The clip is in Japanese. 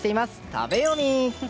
食べヨミ！